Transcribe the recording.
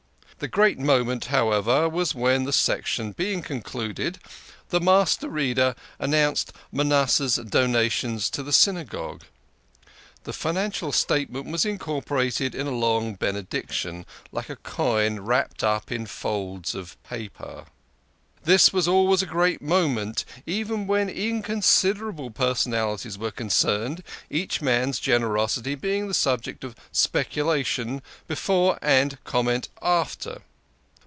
The great moment, however, was when, the section being concluded, the Master Reader announced Manasseh's donations to the Synagogue. The financial statement was incorporated in a long Benediction, like a coin wrapped up in folds of paper. This was always a great moment, even when inconsiderable personalities were concerned, each man's generosity being the subject of speculation before and comment after.